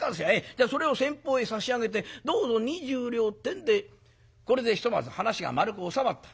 じゃあそれを先方へ差し上げてどうぞ二十両」ってんでこれでひとまず話が丸く収まった。